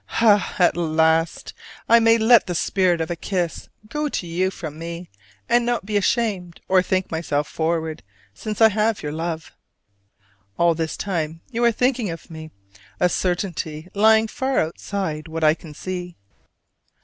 Ah, at last I may let the spirit of a kiss go to you from me, and not be ashamed or think myself forward since I have your love. All this time you are thinking of me: a certainty lying far outside what I can see.